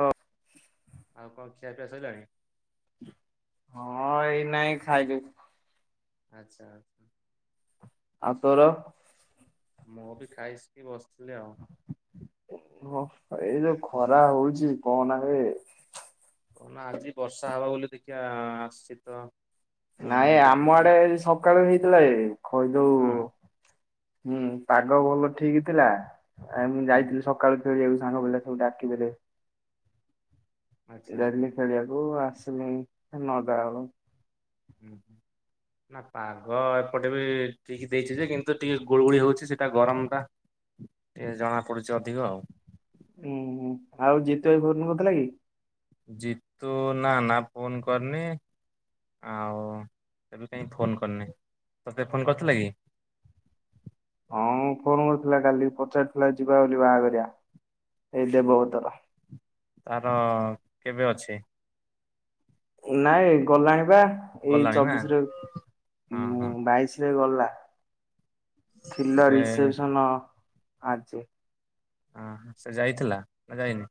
ହଁ। ଆଉ କଣ ଖିଆ ପିଆ ସରିଲାଣି? ହଁ ଏଇ ନାଇଁ ଖାଇଲୁ। ଆଚ୍ଛା। ଆଉ ତୋର? ମୁଁ ବି ଖାଇସିକି ବସିଥିଲି ଆଉ। ହ ଏଇ ଯୋଉ ଖରା ହଉଛି କହନା ବେ। କହନା ଆଜି ବର୍ଷା ହବା ବୋଲି ଦେଖିବା ଆସିଛି ତ। ଅଁ ନାଇଁ ଆମ ଦେଖିଥିଲି। ଆଡେ ସକାଳୁ ହେଇଥିଲା ଏ ଖଇଦଉ ହଁ। ହୁଁ ପାଗ ଭଲ ଠିକ୍ ଥିଲା। ଆ ମୁଁ ହୁଁ ଯାଇଥିଲି ସ ସକାଳୁ ଖେଳିବାକୁ ସାଙ୍ଗ ପିଲା ସବୁ ଡାକି ଦେଲେ। ଆଚ୍ଛା ପିଲା ଦିନେ ଖେଳିବାକୁ ଆସିଲି ନଅଟା ବେଳୁ। ହୁଁ ହୁଁ। ନା ପାଗ ଏପଟେ ବି ଟିକ ଦେଇଛି ଯେ କିନ୍ତୁ ଟିକେ ଗୁଳୁଗୁଳି ହଉଛି ସେଇଟା ଗରମ ଟା। ଟିକେ ଜଣା ପଡୁଛି ଅଧିକ ଆଉ। ଉୁଁ ହୁଁ ଆଉ ଜିତୁ ଭାଇ ଫୋନ୍ କରିଥିଲା କି? ଜିତୁ ନା ନା ଫୋନ୍ କରିନି। ଆଉ ଏବେ କାହିଁ ଫୋନ୍ କରିନି। ତତେ ଫୋନ୍ କରିଥିଲା କି? ହଁ ମ ଫୋନ୍ କରିଥିଲା କାଲି ପଚାରିଥିଲା ଯିବା ବୋଲି ବାହାଘରିଆ, ଏଇ ଦେବବତର। ତାର କେବେ ଅଛି? ନାଇଁ ଗଲାଣିିବା ଏଇ ଗଲାଣି ନା ଚବିଶରେ ହଁ ହଁ ବାଇଶି ସେ ଗଲା। ଥିଲା ସେ ରିସେପସନ ଆଜି। ହ ସେ ଯାଇଥିଲା ନା ଯାଇନି?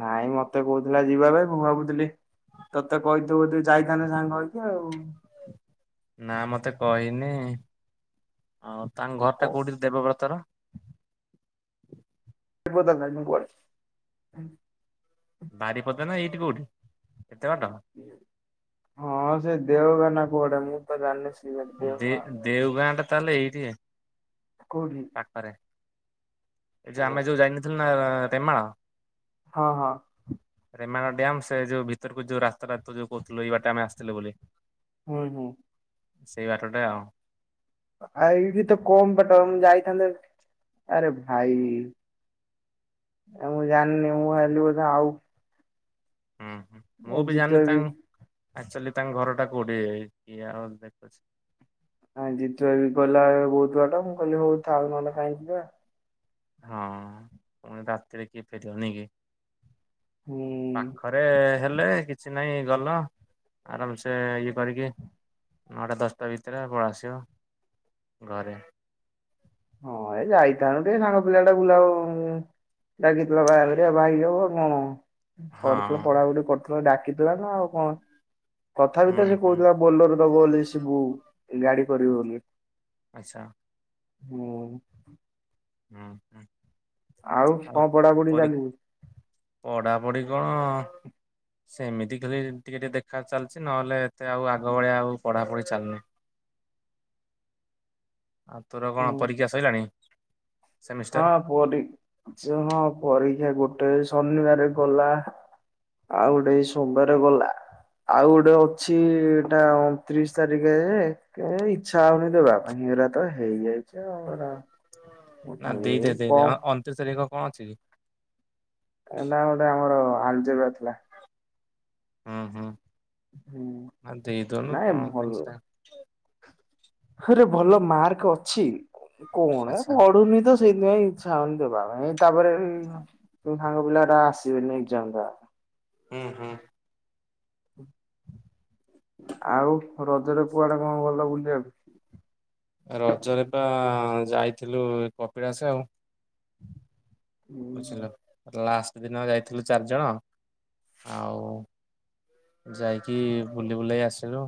ନାଇଁ ମତେ କହୁଥିଲା ଯିବା ପାଇଁ ମୁଁ ଭାବୁଥିଲି ତତେ କହିଥିବ ତୁ ଯାଇ ଥିବ ଯାଇଥାନ୍ତୁ ସାଙ୍ଗ ହେଇକି ଆଉ। ନା ମତେ କହିନି। ଆଉ ତାଙ୍କ ଏ ଘର ଟା କୋଉଠି ଦେବବ୍ରତର? [unintelligible] ବାରିପଦା ନା ଏଇଠି କୋଉଁଠି? କେତେ ବାଟ? ହଁ ସେ ଦେଓ ଗାଁ ନା କୁଆଡେ ମୁଁ ତ ଜାଣିନି ଦେଓଗାଁ ଦେଉ ଗାଁ ଟା ତାହେଲେ ଏଇଟି? କୋଉଠି? ଏ ଯ ହଁ ଆମେ ଯୋଉ ଯାଇନଥିଲୁ ନା ରେମାଳ ହଁ ହଁ। ରେମାଳ ଡ୍ୟାମ୍ ସେ ଯୋଉ ଭିତରକୁ ଯୋଉ ରାସ୍ତାଟା ଯୋଉ କହୁଥିଲୁ ଇ ବାଟେ ଆମେ ଆସିଥିଲେ ବୋଲି। ହୁ ହୁଁ। ସେଇ ବାଟ ଟା ଆଉ। ଆ ଏଇଠି ତ କମ୍ ବାଟ ମୁଁ ଯାଇଥାନ୍ତେ ଆରେ ଭାଇ। ଏ ମୁଁ ଜାଣିନି ମୁଁ ଭାବିଲି ବୋଧେ ଆଉ ହୁଁ ହୁଁ। ମୁଁ ବି ଜିତୁ ଜାଣି ଭାଇ ତାଙ୍କ ଆକ୍ଚୁଆଲି ତାଙ୍କ ଘରଟା କୋଉଠି ଇଏ ଆଉ ଦେଖୁଛି। ହଁ ଜିତୁ ଭାଇ ବି କହିଲା ବୋହୁତ୍ ବାଟ ମୁଁ କହିଲି ଥାଉ ନହେଲେ କାହିଁକି ଯିବା। ହଁ ପୁଣି ରାତିରେ କିଏ ଫେରିବ ନେକି। ହୁଁ। ପାଖରେ ହେଲେ କିଛି ନାଇଁ ଗଲ, ଆରାମସେ ଇଏ କରିକି ନଅଟା ଦଶଟା ଭିତରେ ପଳ ଆସିବ ଘରେ। ହଁ ଏ ଯାଇଥାନ୍ତେ ସାଙ୍ଗ ପିଲା ଟା ବୁଲା ଉଁ, ଡାକିଥିଲା ବାହାଘରିଆ ଭାଇ ଯିବ କଣ? କରିଥିଲ ହଁ ପଢାପଢି କରିଥିଲ ଡାକିଥିଲା ନା ଆଉ କଣ? ତଥା ବି ହୁଁ ତ ସେ ହୁଁ। କହୁଥିଲା ବୋଲଲୋର ଦବ ବୋଲି ସିବୁ ଗାଡି କରିବୁ ବୋଲି। ଆଚ୍ଛା। ହୁଁ। ହୁଁ, ହୁଁ। ଆଉ କଣ ପଢାପଢି ଚାଲିଛି? ପଢାପଢି କଣ? ସେମିତି ଖାଲି ଟିକେ ଟିକେ ଦେଖା ଚାଲିଛି, ନହେଲେ ଏତେ ଆଉ ଆଗ ଭଳିଆ ଆଉ ପଢାପଢି ଚାଲୁନି। ଆଉ ତୋର କଣ ହୁଁ ପରୀକ୍ଷା ସଇଲାଣି? ସେମିଷ୍ଟାର? ହଁ ପରୀ ଯେ ହଁ ପରୀକ୍ଷା ଗୋଟେ ଶନିବାର ଗଲା। ଆଉ ଗୋଟେ ସୋମବାରେ ଗଲା। ଆଉ ଗୋଟେ ଅଛି ଏଟା ଅଣତିରିଶ ତାରିଖରେ। କେ ଇଚ୍ଛା ହଉନି ଦେବା ପାଇଁ ହେରା ତ ହେଇଯାଇଛି, ଆଉ ର ନା ଦେଇଦେ ଦେଇଦେ ଅ, ଅଣତିରିଶ ତାରିଖ କଣ ଅଛି କି? ଏ ନା ଗୋଟେ ଆମର ଆଲଜେବା ଥିଲା। ଅଁ, ହଁ ହୁଁ ମାନ ଦେଇଦଉନୁ ନାଇଁ କଣ ପାଇଁ ସେଟା ହଇରେ ଭଲ ମାର୍କ ଅଛି କଣ ଏ ଆଚ୍ଛା ପଢୁନି ତ ସେଇଥିପାଇଁ ଇଚ୍ଛା ହଉନି ଦେବା ପାଇଁ, ତାପରେ ତ ସାଙ୍ଗ ପିଲା ଟା ଆସିବେନି ଏକ୍ଜାମ୍ ଦବା ହୁଁ, ହୁଁ। ଆଉ ରଜରେ କୁଆଡେ କଣ ଗଲ ବୁଲିବାକୁ? ରଜରେ ପା ଯାଇଥିଲୁ କପିଳାସ ଆଉ। ହୁଁ। ବୁଝିଲ? ଲାଷ୍ଟ ଦିନ ଯାଇଥିଲୁ ଚାରିଜଣ। ଆଉ ଯାଇକି ବୁଲି ବୁଲାଇ ଆସିଲୁ।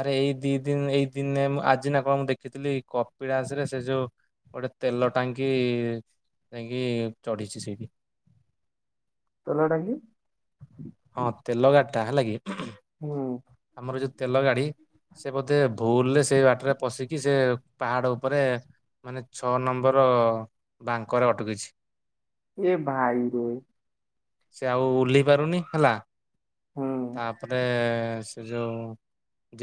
ଆରେ ଏଇ ଦି ଦିନ ଏଇ ଦିନେ ମୁଁ ଆଜି ନା କଣ ମୁଁ ଦେଖିଥିଲି, କପିଳାସ ରେ ସେ ଯୋଉ ଗୋଟେ ତେଲ ଟାଙ୍କି ଯାଇକି ଚଢିଛି ସେଇଠି। ତେଲ ଟାଙ୍କି ହଁ ତେଲ ଗାଡିଟା ହେଲା କିି। ହଁ। ଆମର ଯୋଉ ତେଲ ଗାଡି ସେ ବୋଧେ ଭୁଲରେ ସେଇ ବାଟରେ ପଶିକି ସେ ପାହାଡ ଉପରେ। ମାନେ ଛଅ ନମ୍ବର୍ ବାଙ୍କରେ ଅଟକିଛି। ଏ ଭାଇ ରେ। ସେ ଆଉ ଓହ୍ଲେଇ ପାରୁନି ହେଲା। ହୁଁ ତାପରେ ସେ ଯୋଉ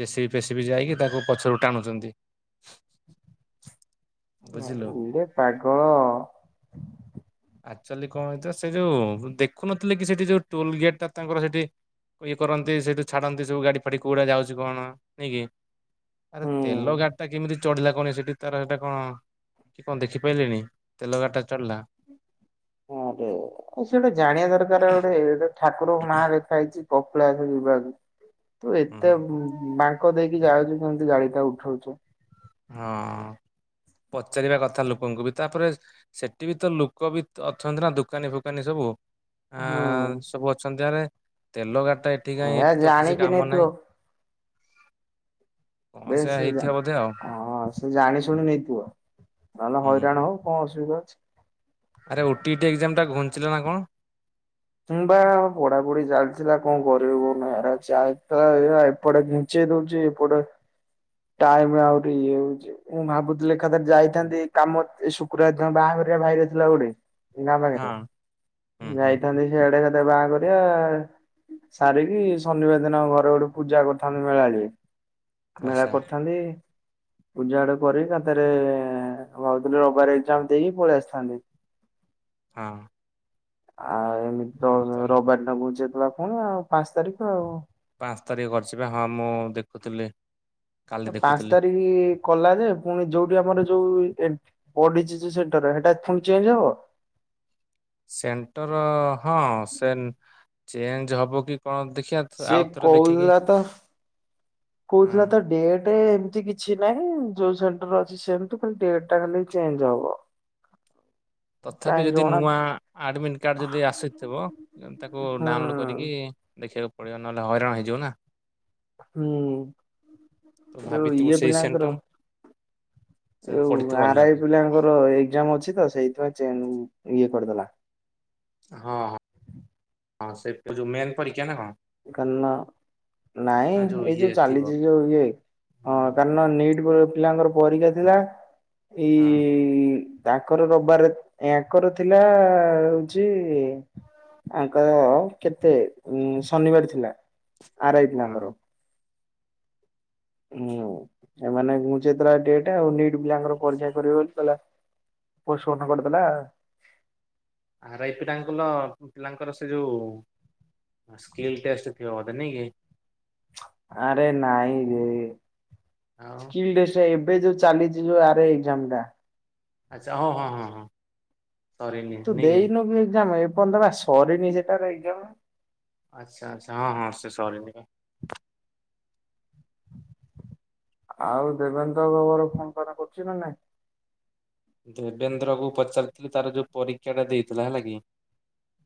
ଜେସିବି ଫେସିବିି ଯାଇକି ତାକୁ ପଛରୁ ଟାଣୁଚନ୍ତି। ହଁ ବୁଝିଲୁ ଉଡେ ପାଗଳ ଆକ୍ଚୁଲି କଣ ହେଇଥିଲା ସେ ଯୋଉ ଦେଖୁନଥିଲେ କି ସେଠି ଯୋଉ ଟୋଲ ଗେଟ୍ ଟା ତାଙ୍କର ସେଠି ଇଏ କରନ୍ତି ସେଇଠୁ ଛାରନ୍ତି ସବୁ ଗାଡି ଫାଡି କୋଉଡା ଯାଉଛି କଣ ନାଇଁ କି। ଆରେ ହୁଁ। ତେଲ ଗାଡିଟା କେମିତି ଚଢିଲା କଣ ସେଠି ତାର ସେଟା କଣ କି କଣ ଦେଖି ପାଇଲେଣିି ତେଲ ଗାଡଟା ଚଢିଲା? ହଁରେ ଆଉ ସେ ଗୋଟେ ଜାଣିବା ଦରକାର ଗୋଟେ ଇଟା ଠାକୁରଙ୍କ ନାଁ ଲେଖା ହେଇଛି କୋ ମାକ ଯିବା ତୁ ହୁଁ ଏତେ ମାଙ୍କ ଦେଇକି ଯାଉଛୁ କେମିତି ଗାଡି ଟା ଉଠଉଛୁ? ହଁ ପଚାରିବା କଥା ଲୋକଙ୍କୁ ବି ତାପରେ ସେଠି ବି ତ ଲୋକ ବି ଅଛନ୍ତି ନା ଦୋକାନୀ ଫୋକାନୀ ସବୁ। ଆ ହୁଁ ସବୁ ଅଛନ୍ତି ଆରେ ତେଲ ଗାଡି ଟା ଏ ଏଠି କାଇଁ ଏ ଏଠି ତ କିଛି ଜାଣିକି କାମ ନେଇଥିବ ନାହିଁ। କଣ ବେଶ ସେୟା ହେଇଥିବ ବୋଧେ ଆଉ ସେଇଆ ସେ ଜାଣି ଶୁଣି ନେଇଥିବ। ନହେଲେ ହୁଁ। ହଇରାଣ ହବ କଣ ଅସୁବିଧା ଅଛି। ଆରେ ଓ ଟି ଟା ଏକଜାମ୍ ଟା ଘୁଞ୍ଚିଲ ନା କଣ? କିମ୍ବା ପଢାପଢି ଚାଲିଥିଲା କଣ କରିବ କଉନା [unintelligible] ଏପଟେ ଚେ ଦଉଛି ଏପଟେ ଟାଇମ ଆହୁରି ଇଏ ହଉଛି। ମୁଁ ଭାବୁଥିଲି ଏକାଥରେ ଯାଇଥାନ୍ତି କାମ ଶୁକ୍ରବାର ଦିନ ବାହାଘରିଆ ଭାଇରେ ଥିଲା ଗୋଟେ। ଗାଁ ହଁ ପାଖରେ ହୁଁ ହୁଁ। ଯାଇଥାନ୍ତି ସିଆଡେ ଗୋଟେ ବାହା ଘରିଆ। ସାରିକି ଶନିବାର ଦିନ ଘରେ ଗୋଟେ ପୂଜା କରିଥାନ୍ତି ମେଳାଳି। ମେଳା ଆଚ୍ଛା କରିଥାନ୍ତି। ପୂଜା ଗୋଟେ କରି ଏକାଥରେ କହୁଥିଲି ରବିବାରେ ଏକ୍ଜାମ ଦେଇକି ପଳେଇ ଆସିଥାନ୍ତି। ହଁ ଆଉ ଏମିତି ତ ରବିବାର ଦିନ ଘୁଞ୍ଚେଇ ଦେଲା ପୁଣି ଆଉ ପାଞ୍ଚ ତାରିଖ ଆଉ ପାଞ୍ଚ ତାରିଖ କରିଛି ବା ହଁ ମୁଁ ଦେଖୁଥିଲି। କାଲି ପାଞ୍ଚ ଦେଖୁଥିଲି। ତାରିଖ କଲା ଯେ ପୁଣି ଯୋଉଠି ଆମର ଯୋଉ ଏକ୍ ପଡିଛି ଯୋଉ ସେଣ୍ଟର ରେ ସେଇଟା ପୂଣି ଚେଞ୍ଜ ହବ। ସେଣ୍ଟର ହଁ ସେ ଚେଞ୍ଜ ହବ କି କଣ ଦେଖିବା। ସିଏ ଆଉଥରେ ଦେଖିକି କହୁଥିଲା ତ ହଁ କହୁଥିଲା ତା ଡେଟ ଏତିକି। କିଛି ନାହିଁ ଯୋଉ ସେଣ୍ଟର ଅଛି ସେମିତି ଖାଲି ଡେଟ୍ ଖାଲି ଚେଞ୍ଜ ହବ। ତଥାପି କାଇଁ ଯଦି ଜଣା ନୂଆ ଆଡ଼ମିଟ୍ କାର୍ଡ଼ ଯଦି ଆସିଥିବ ତାକୁ ହୁଁ ଡାଉନଲୋଡ଼ କରିକି ଦେଖିବାକୁ ପଡ଼ିବ ନହେଲେ ହଇରାଣ ହେଇଯିବ ନା। ହୁଁ ତ ଯୋଉ ଭାବିଥିବୁ ଇଏ ସେଇ ସେଣ୍ଟର ପିଲାଙ୍କର ସେ ଯୋଉ ପଡିଥିବ ଆରାଇ ଅଲଗାଟି ପିଲାଙ୍କର ଏକ୍ଜାମ ଅଛି। ଅଛିତ ସେଇଥିପାଇଁ ଚେନ୍ ଇଏ କରିଦେଲା। ହଁ ହଁଁ ସେ ଯୋଉ ମେନ୍ ପରୀକ୍ଷା ନା କଣ? କାଲନ୍ ନାଇଁ ନା ଏଇ ଇଏ ଯୋଉ ଥିବ ଚାଲିଛି ଯୋଉ ଇଏ ହଁ। ନିଟ୍ ପିଲାଙ୍କର ପରୀକ୍ଷା ଥିଲା ଏଇ ତାଙ୍କର ରିବି ବାରେ ୟାଙ୍କର ଥିଲା ହଉଛି ଆଙ୍କର କେତେ ଶନିବାରେ ଥିଲା ଆରାଇ ପିଲାଙ୍କର। ହଁ ହୁଁ ଏମାନେ [unintelligible] ନିଟ ପିଲାଙ୍କର ପରୀକ୍ଷା କରିବେ ବୋଲି କଲା। ପୋଷମଟ କରିଦେଲା। ଆରାଇ ପିଲାଙ୍କର ପିଲାଙ୍କର ସେ ଯୋଉ ସ୍କେଲ ଟେଷ୍ଟ ଥିବ ନାଇ କି? ଆରେ ନାଇଁ ରେ ଆଉ କି ଟେଷ୍ଟ? ଏବେ ଯୋଉ ଚାଲିଛି ଯୋଉ ଆରାଇ ଏକ୍ଜାମ ଟା। ଆଚ୍ଛା ହ ହଁ ହଁ ହଁ। ସରିନି ତୁ ନାଇଁକି ଦେଇନୁ କି ଏକ୍ଜାମ ଏପର୍ଯ୍ୟନ୍ତ ବା ସରିନି ସେଟାର ଏକ୍ ଜାମ। ଆଚ୍ଛା ଆଚ୍ଛା ହଁ ହଁ ସେ ସରିନି ବା। ଆଉ ଦେବେନ୍ତ ବାବୁର ଫୋନ ଫାନ କରୁଛି ନା ନାଇଁ ଦେବେନ୍ଦ୍ରକୁ ପଚାରିଥିଲି ତାର ଯୋଉ ପରୀକ୍ଷାଟା ଦେଇଥିଲା ହେଲା କି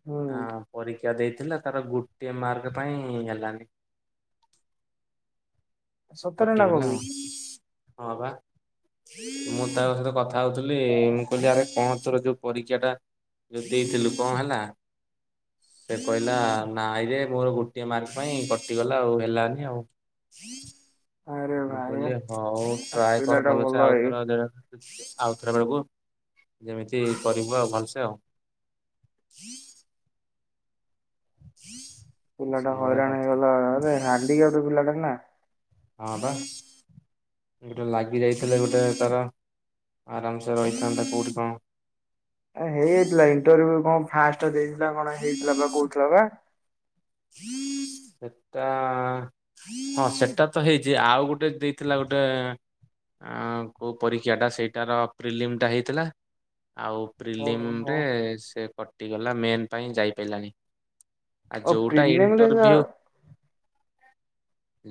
ହୁଁ ଆ ପରୀକ୍ଷା ଦେଇଥିଲା ତାର ଗୋଟିଏ ମାର୍କ ପାଇଁ ହେଲାନି। ସତରେ ନା କଟିଗଲା ଆଉ କହୁଛି ହଁ ବା ମୁଁ ତାଙ୍କ ସହିତ କଥା ହଉଥିଲି ମୁଁ କହିଲି ଆରେ କଣ ତୋର ଯୋଉ ପରୀକ୍ଷା ଟା ଯେଉ ଦେଇଥିଲୁ କଣ ହେଲା ସେ କହିଲା ନାଇଁ ରେ ମୋର ଗୋଟିଏ ମାର୍କ ପାଇଁ କଟିଗଲା ଆଉ ହେଲାନି ଆଉ ଆରେ ମୁଁ ଭାଇ କହିଲି ହଉ ଟ୍ରାଏ କର ପିଲାଟା ଭଲ ଭଲସେ ଏଇ ଆଉଥର ଆଉ ଥରେ ବେଳକୁ ଯେମିତି କରିବୁ ଆଉ ଭଲସେ ଆଉ ହି ପିଲାଟା ହଇରାଣ ହେଇଗଲା ଏବେ ହାଣ୍ଡିିକାପ୍ ପିଲାଟା ନା ହଁ ପା ଗୋଟେ ଲାଗି ଯାଇଥିଲେ ଗୋଟେ ତାର ଆରାମସେ ରହିଥାନ୍ତା କୋଉଠି କଣ ହେଇଯାଇଥିଲା ଇଣ୍ଟରୁଭୁ କଣ ଫାଷ୍ଟେ ଦେଇଥିଲା କଣ ହେଇଥିଲା ବା କହୁଥିଲା ବା ହୁଁ ସେଟା ହଁ ସେଟା ତ ହେଇଛି ଆଉ ଗୋଟେ ଦେଇଥିଲା ଗୋଟେ କେଉଁ ପରୀକ୍ଷାଟା ସେଇଟାର ପ୍ରିଲିମିଟା ହେଇଥିଲା ଆଉ ଓହୋ ପ୍ରିଲିମିରେ ସେ କଟିଗଲା ମେନ୍ ପାଇଁ ଯାଇପାଇଲାନି ଓ ଯୋଉଟା ପ୍ରିଲିମରେ ଇଣ୍ଟରଭିୟୁ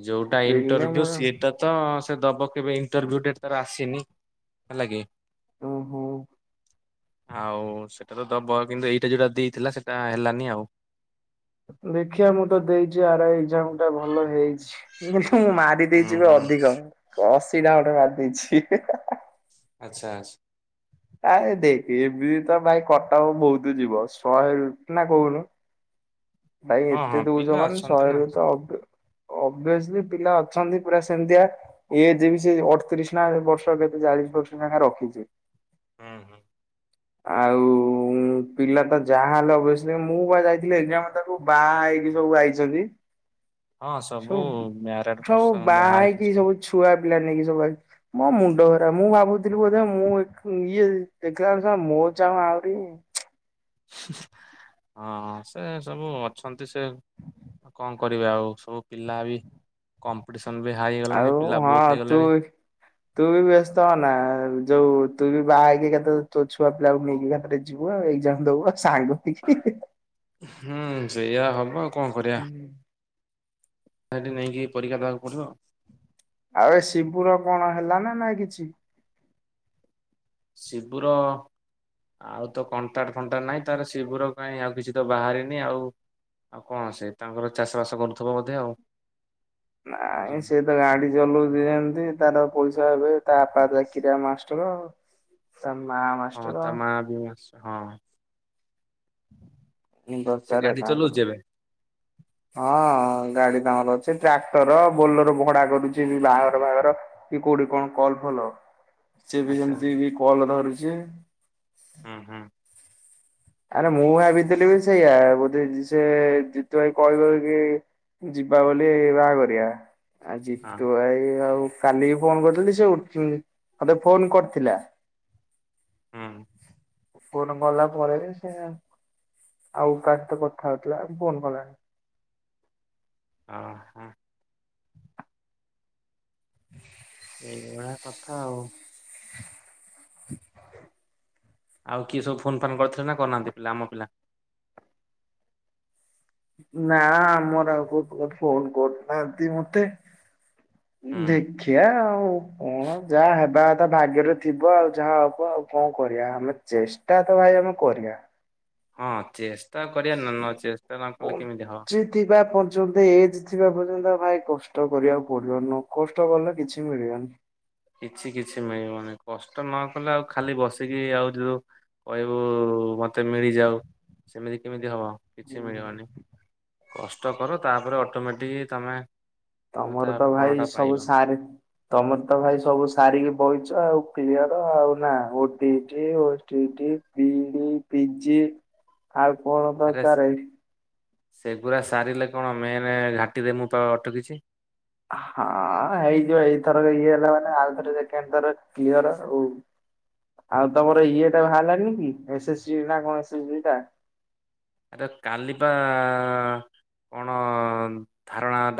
ଯୋଉଟା ପ୍ରିଲିମ ଇଣ୍ଟରଭିୟୁ ସି ସେଟା ତ ସେ ଦବ କେବେ ଇଣ୍ଟରଭିୟୁ ତାର ଆସିନି ହେଲା କି ଓହୋ ଆଉ ସେଟା ତ ଦବ କିନ୍ତୁ ଏଇଟା ଯୋଉଟା ଦେଇଥିଲା ସେଇଟା ହେଲାନି ଆଉ ଦେଖିିବା ମୁଁ ତ ଦେଇଛି ଆର୍ ଆଇ ଏକ୍ଜାମ୍ ଟା ଭଲ ହେଇଛି ମୁଁ ମାରି ହୁଁ ଦେଇଛି ବି ହୁଁ ଅଧିକ ଅଶୀ ଟା ଖଣ୍ଡେ ମାରି ଦେଇଛି ଆଚ୍ଛା ଆଛା ଆ ଦେଖେ ଏବେ ତ ଭାଇ କଟକ ବହୁତ ଯିବ ଶହେ ନା କହୁନୁ ଭାଇ ହଁ ଏତେ ହଁ ଦଉଛ ପିଲା ମାନେ ଅଛନ୍ତି ଶହେ ନା ରୁ ତ ଅ ଅଭ୍ରସି ପିଲା ଅଛନ୍ତି ପୁରା ସେମିତିଆ ଏ ଯେ ବି ସେ ଅଠତିରିଶ ନା ବର୍ଷ କେତେ ଚାଳିଶ ବର୍ଷ ଯାଙ୍କେ ରଖିଛି ହଁ ହଁ ଆଉ ପିଲା ତ ଯାହାହଲେ ଅବସ୍ୟ ମୁଁ ବା ଯାଇଥିଲି ଏ ତାକୁ ବାହା ହେଇକି ସବୁ ଆଇଛନ୍ତି ସବୁ ସବୁ ବାହା ହେଇକି ସବୁ ଛୁଆ ପିଲା ନେଇାକି ସବୁ ମୋ ମୁଣ୍ଡ ଖରାପ୍ ମୁଁ ଭାବୁଥିଲି ବୋଧେ ମୁଁ ଇଏ ଦେଖିଲା ବେଳୁ ମୋ ଚାହୁଁ ଆହୁରି ହଁ ସେ ସବୁ ଅଛନ୍ତି ସେ କଣ କରିବେ ଆଉ ସବୁ ପିଲା ବି କମ୍ପିଟିସନ୍ ବି ହାଏ ହେଇଗଲାଣି ଆଉ ପିଲା ହଁ ବହୁତ ତୁ ହେଇଗଲେଣି ତୁ ବି ବ୍ୟସ୍ତ ହେଓନା ଯୋଉ ତୁ ବି ବାହାହେଇକି କେତେବେଳେ ତୋ ଛୁଆ ପିଲାକୁ ନେଇକି ଗାଁ ରେ ତୁ ପା ଏକ୍ଜାମ୍ ଆଉ ଦବୁ ଆଉ ସାଙ୍ଗ ହେଇକି। ହୁଁ ସେଇଆ ହବ ଆଉ କଣ କରିବା ସେଠି ନେଇକି ପରୀକ୍ଷା ଦେବାକୁ ପଡ଼ିବ ଆଉ ଏ ଶିବୁର କଣ ହେଲା ନା ନାଇଁ କିଛି ଶିବୁର ଆଉ ତ କଣ୍ଟାଟେ ଫଣ୍ଟାଟେ ନାହିଁ ତାର ଶିବୁର କାହିଁ ଆଉ କିଛି ତ ବାହାରିନି ଆଉ ଆଉ କଣ ସେ ତାଙ୍କର ଚାଷ ବାସ କରୁଥିବ ବୋଧେ ଆଉ ନାଇଁ ସେ ତ ଗାଡି ଚଲେଉଛି ଯେମିତି ତାର ପଇସା ଏବେ ତା ବାପା ଚାକିରିଆ ମାଷ୍ଟର ଷ୍ଟର ଆଉ ତା ମାମା ହଁ ତା ମା ବି ଆସେ ହଁ ସେ ଦରକାର ଗାଡି ତାଙ୍କର। ଚଲଉଚି ଏବେ? ହଁ ଗାଡି ତାଙ୍କର ଅଛି ଟ୍ରାକ୍ଟର ବୋଲର ଭଡା କରୁଛି ବାହାଘର ଫାହାଘର। କି କୋଉଠି କଣ କଲ୍ ଫଲ ସିଏବି ଆଚ୍ଛା ଯେମତି ବି କଲ୍ ଧରୁଛି। ହୁଁ ହୁଁ। ଆରେ ମୁଁ ଭାବିଥିଲି ବି ସେଇଆ ବୋଧେ ଯିସ୍ ଯେ ଜିତୁ ଭାଇ କହିହିବ କି ଯିବା ବୋଲି ବାହା ଘରିଆ ଆ ହଁ ଜିତୁ ଭାଇ ଆଉ କାଲି ବି ଫୋନ୍ କରିଥିଲି ସେ ଉ ମତେ ଫୋନ କରିଥିଲା ହୁଁ। ଫୋନ୍ ଗଲା ପରେ ବି ସେ ଆଉ କା ସହିତ କଥା ହଉଥିଲା ଫୋନ୍ ଗଲାନି। ଅ ହଁ। ଏଇଭଳିଆ କଥା ଆଉ। ଆଉ କିଏ ସବୁ ଫୋନ୍ ଫାନ୍ କରିଥିଲେ ନା କରିନାହାନ୍ତି ପିଲା ଆମ ପିଲା? ନା ଆମର ଆଉ କୋଉ ଫୋନ୍ ଫୋନ୍ କରୁନାହାନ୍ତି ମତେ। ହୁଁ ଦେଖିଆ ଆଉ କଣ ଯାହା ହେବାକଥା ଭାଗ୍ୟରେ ଥିବ ଆଉ ଯାହା ହବ ଆଉ କଣ କରିଆ ଆମେ ଚେଷ୍ଟା ତ ଭାଇ ଆମେ କରିଆ। ହଁ ଚେଷ୍ଟା କରିଆ ନ ନ ଚେଷ୍ଟା ନ କଲେ କେମିତି ହବ ଥିବା ପର୍ଯ୍ୟନ୍ତ ଏଜ୍ ଥିବା ପର୍ଯ୍ୟନ୍ତ ଭାଇ କଷ୍ଟ କରିଆକୁ ପଡିବ ନକଷ୍ଟ କଲେ କିଛି ମିଳିବନି। କିଛି କିଛି ମିଳିବନି କଷ୍ଟ ନ କଲେ ଆଉ ଖାଲି ବସିକି ଆଉ ଯୋଉ କହିବୁ ମତେ ମିଳିଯାଉ ସେମିତି କେମିତି ହବ? କିଛି ମିଳିବନି କଷ୍ଟ କର ତାପରେ ଅଟୋମେଟିକ୍ ତମେ ତମେ ତା ତମର ତ ଫଳ ଭାଇ ଟା ସବୁ ପାଇବ ସାରେ ତମର ତ ଭାଇ ସବୁ ସାରିକି ବଇଚ ଆଉ କ୍ଲିୟର ଆଉ ନା ଓଟିଇଟି ଓସ୍ ଡିଇଟି ବିଡି ପିଜି ଆଉ କଣ ତ ଆରେ ତାର ଏଡି ସେଗୁରା ସାରିଲେ କଣ ମେଏନେ ଘାଟିରେ ମୁଁ ପା ଅଟକିଛି। ହଁ ହେଇଯିବ ଏଇଥର ଇଏ ହେଲା ମାନେ ଆଉ ଥରେ ସେକେଣ୍ଡ ଥର କ୍ଲିୟର ଆଉ। ହ [inaudible] ଆଉ ତମର ଇଏ ଟା ବାହାରିଲାନି କି ଏସେସ୍ଜି ନା କଣ ଏସେଜି ଟା ରେ କାଲିିବା କଣ ଧାରଣା ତା